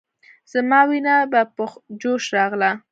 زما وينه به په جوش راغله.